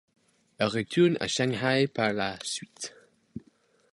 Elle retourne à Shanghai par la suite.